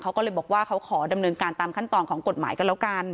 เขาก็เลยบอกว่าเขาขอดำเนินการตามขั้นตอนของกฎหมายก็แล้วกัน